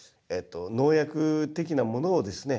農薬的なものをですね